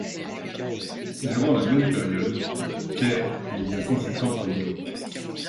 Durant la même période, Kerr devient consultant pour Yahoo!.